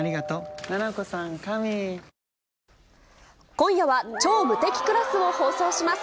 今夜は、超無敵クラスを放送します。